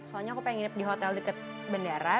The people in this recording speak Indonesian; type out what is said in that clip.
soalnya aku pengen nginep di hotel deket bendera